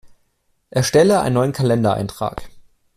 Erstelle einen neuen Kalendereintrag!